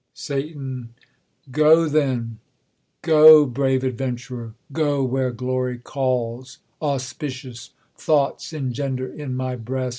Satan, Go then ; Go, brave adventurer, go where glory calls : Auspicious thoughts engender in niy breast.